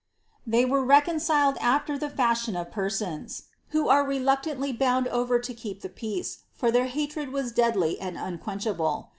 They were leconciled after the fashion of persons, who are reluo umly bound over to keep the peace, for their hatred was deadly and QDquenchable.